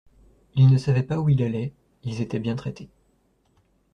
Il ne savait pas où il allait. Ils étaient bien traités